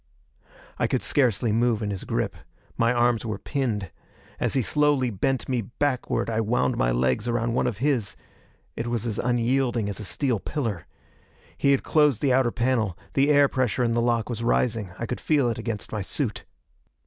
I could scarcely move in his grip. My arms were pinned. As he slowly bent me backward, I wound my legs around one of his; it was as unyielding as a steel pillar. He had closed the outer panel; the air pressure in the lock was rising. I could feel it against my suit.